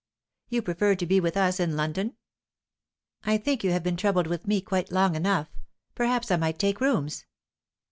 "You prefer to be with us in London?" "I think you have been troubled with me quite long enough. Perhaps I might take rooms."